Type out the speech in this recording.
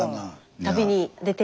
旅に出て。